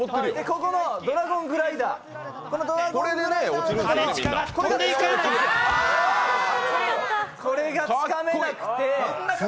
このドラゴングライダーでこれがつかめなくて。